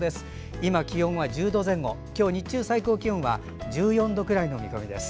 今、気温は１０度前後今日、日中の最高気温は１４度くらいの見込みです。